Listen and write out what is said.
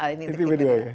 ini tipe dua ya